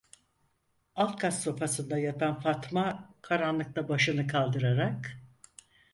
Alt kat sofasında yatan Fatma karanlıkta başını kaldırarak: